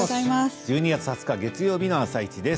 １２月２０日月曜日の「あさイチ」です。